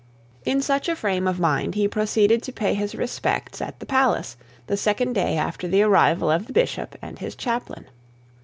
In such a frame of mind he proceeded to pay his respects at the palace the second day after the arrival of the bishop and his chaplain.